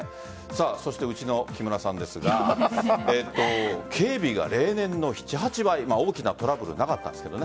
そして、うちの木村さんですが警備が例年の７８倍大きなトラブルなかったんですけど。